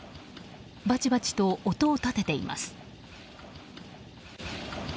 バチバチと音を立てています。